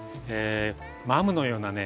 マムのようなね